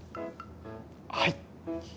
はい。